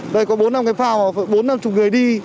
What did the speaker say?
đây có bốn năm cái phao bốn năm chục người đi